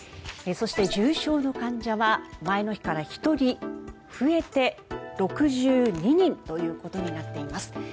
そして、重症の患者は前の日から１人増えて６２人ということになっています。